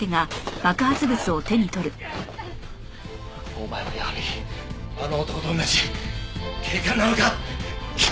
お前もやはりあの男と同じ警官なのか！？